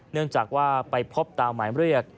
เนื่องจากว่าไปพบตามหมายเรียก